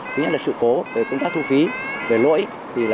thứ nhất là sự cố về công tác thu phí về lỗi